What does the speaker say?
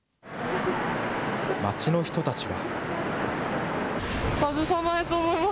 街の人たちは。